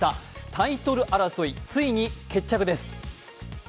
タイトル争い、ついに決着です。